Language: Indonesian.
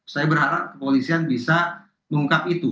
saya berharap kepolisian bisa mengungkap itu